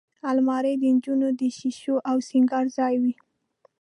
الماري د نجونو د شیشو او سینګار ځای وي